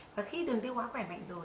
và khi đường tiêu hóa khỏe mạnh rồi